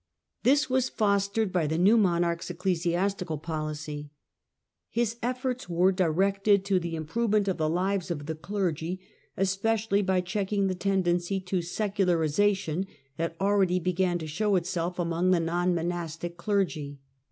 This was fostered by the new monarch's ecclesiastical policy. His efforts were directed to the improvement of the lives of the clergy, especially by checking the tendency to secularisation that already began to show itself among the non monastic clergy.